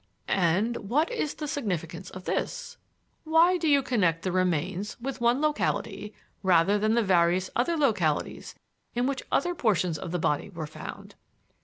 "And what is the significance of this? Why do you connect the remains with one locality rather than the various other localities in which other portions of the body were found?"